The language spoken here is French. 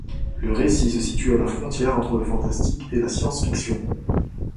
Le récit se situe à la frontière entre le fantastique et la science-fiction.